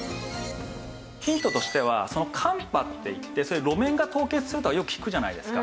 ヒントとしては寒波っていって路面が凍結するとはよく聞くじゃないですか。